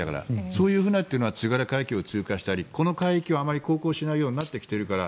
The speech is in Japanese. そういうことから津軽海峡を通過したりこの海域をあまり航行しないようになってきているから